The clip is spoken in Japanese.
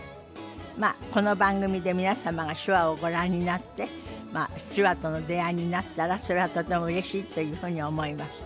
まあこの番組で皆様が手話をご覧になって手話との出会いになったらそれはとてもうれしいというふうに思います。